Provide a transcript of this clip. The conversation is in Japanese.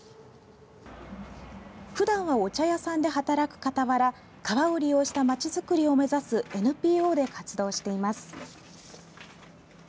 普段はお茶屋さんで働くかたわら川を利用した街づくりを目指すＮＰＯで活動しています。